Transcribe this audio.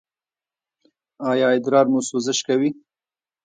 ایا ادرار مو سوزش کوي؟